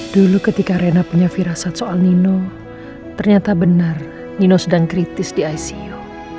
dulu ketika rena punya firasat soal nino ternyata benar nino sedang kritis di icu